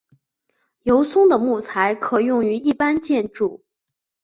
油松的木材可用于一般建筑。